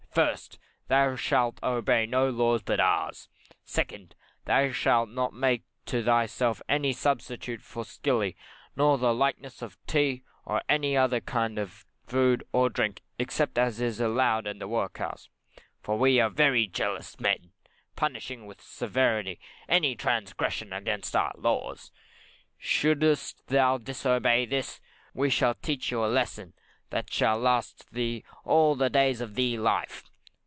1st, Thou shalt obey no laws but ours. 2nd, Thou shalt not make to thyself any substitute for skilley, nor the likeness of tea, or any other kind of food, or drink, except as is allowed in the workhouse; for we are very jealous men, punishing with severity any transgression against our laws. Should'st thou disobey in this, we shall teach you a lesson that shall last thee all the days of thy life.